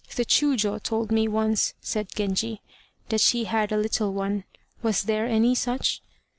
"The Chiûjiô told me once," said Genji, "that she had a little one. Was there any such?"